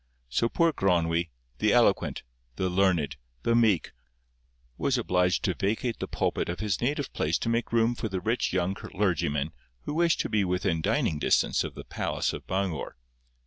So poor Gronwy, the eloquent, the learned, the meek, was obliged to vacate the pulpit of his native place to make room for the rich young clergyman, who wished to be within dining distance of the palace of Bangor.